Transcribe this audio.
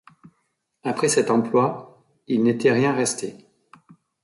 Après cet emploi, il n'était rien resté.